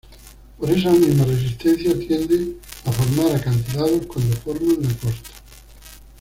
Por esa misma resistencia tienden a formar acantilados cuando forman la costa.